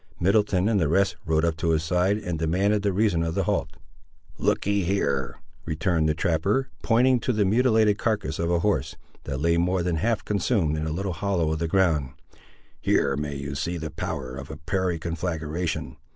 Middleton and the rest rode up to his side, and demanded the reason of the halt. "Look ye, here," returned the trapper, pointing to the mutilated carcass of a horse, that lay more than half consumed in a little hollow of the ground; "here may you see the power of a prairie conflagration.